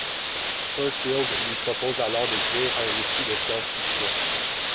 Fairfield lui propose alors d'écrire un récit de science fiction.